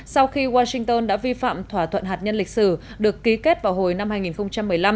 sau khi washington đã vi phạm thỏa thuận hạt nhân lịch sử được ký kết vào hồi năm hai nghìn một mươi năm